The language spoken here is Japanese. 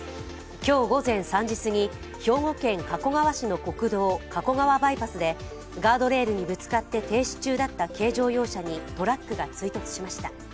今日午前３時すぎ、兵庫県加古川市の国道、加古川バイパスでガードレールにぶつかって停止中だった軽乗用車にトラックが追突しました。